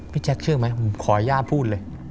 พี่แจ็คเชื่อไหมขออนุญาตพูดเลย